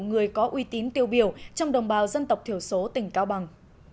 người có uy tín tiêu biểu trong đồng bào dân tộc thiểu số tỉnh cao bằng